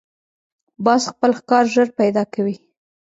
باز خپل ښکار ژر پیدا کوي